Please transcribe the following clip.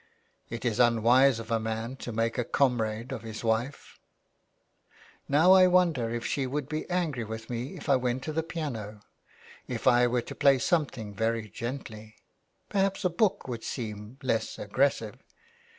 '' It is unwise of a man to make a comrade of his wife. .. Now I wonder if she would be angry with me if I went to the piano — if I were to play something very gently ? Perhaps a book would seem less aggressive."